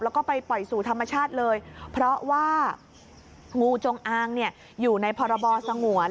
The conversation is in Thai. แล้วก็ไปปล่อยสู่ธรรมชาติเลยเพราะว่างูจงอางเนี่ยอยู่ในพรบสงวน